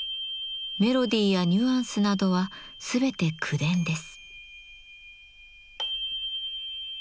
メロディーやニュアンスなどはすべて口伝です。